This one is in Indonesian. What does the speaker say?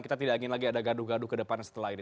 kita tidak ingin lagi ada gaduh gaduh ke depan setelah ini